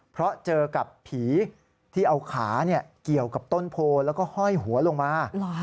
เพราะเจอกับผีที่เอาขาเกี่ยวกับต้นโพแล้วก็ห้อยหัวลงมา